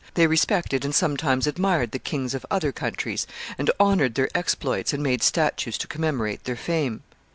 They respected and sometimes admired the kings of other countries, and honored their exploits, and made statues to commemorate their fame.